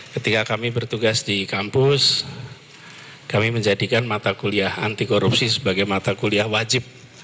ketika kami bertugas di kampus kami menjadikan mata kuliah anti korupsi sebagai mata kuliah wajib